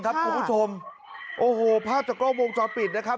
ครับคุณผู้ชมโอ้โหภาพจากโลกวงจอบปิดนะครับ